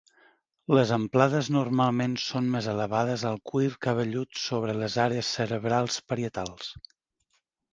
Les amplades normalment són més elevades al cuir cabellut sobre les àrees cerebrals parietals.